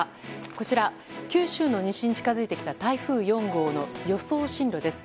こちら、九州の西に近づいてきた台風４号の予想進路です。